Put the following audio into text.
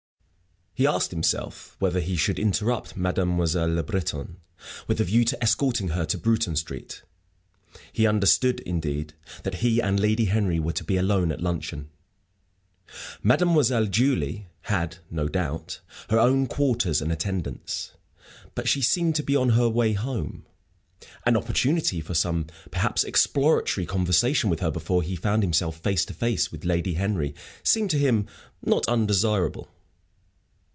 He asked himself whether he should interrupt Mademoiselle Le Breton with a view to escorting her to Bruton Street. He understood, indeed, that he and Lady Henry were to be alone at luncheon; Mademoiselle Julie had, no doubt, her own quarters and attendants. But she seemed to be on her way home. An opportunity for some perhaps exploratory conversation with her before he found himself face to face with Lady Henry seemed to him not undesirable.